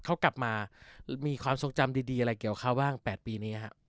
เขากลับมามีความทรงจำดีอะไรเกี่ยวเขาบ้าง๘ปีนี้ครับ